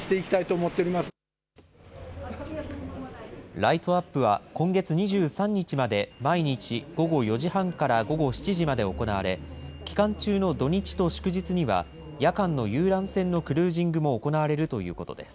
ライトアップは今月２３日まで毎日午後４時半から午後７時まで行われ、期間中の土日と祝日には、夜間の遊覧船のクルージングも行われるということです。